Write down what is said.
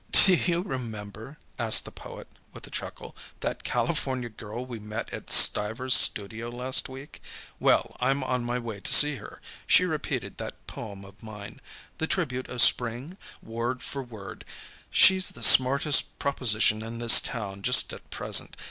"Do you remember," asked the poet, with a chuckle, "that California girl we met at Stiver's studio last week? Well, I'm on my way to see her. She repeated that poem of mine, 'The Tribute of Spring,' word for word. She's the smartest proposition in this town just at present.